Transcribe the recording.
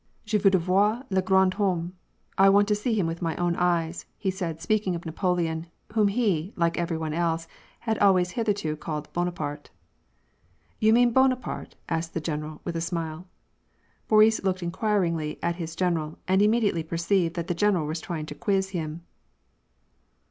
" Je vinidrais voir le grand fiorrvmej I want to see him with my own eyes," said he, speaking of Napoleon, whom he, like every one else, had always hitherto called Buonaparte. '^ You mean Buonaparte ?" asked the general, with a smile. Boris looked inquiringly at his general, and immediately perceived that the general was trying to quiz him.